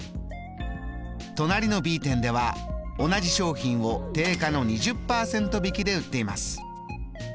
隣のＢ店では同じ商品を定価の２０％引きで売っています。